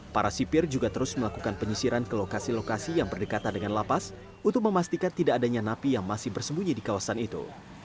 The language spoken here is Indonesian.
para sipir juga terus melakukan penyisiran ke lokasi lokasi yang berdekatan dengan lapas untuk memastikan tidak adanya napi yang masih bersembunyi di kawasan itu